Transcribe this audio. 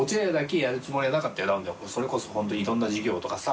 それこそ本当にいろんな事業とかさ。